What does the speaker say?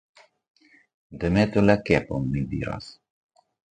Demetu la kepon, mi diras.